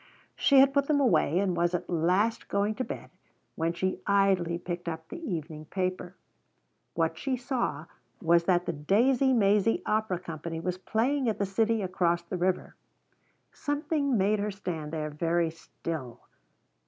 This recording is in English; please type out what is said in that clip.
She had put them away and was at last going to bed when she idly picked up the evening paper. What she saw was that the Daisey Maisey Opera Company was playing at the city across the river. Something made her stand there very still.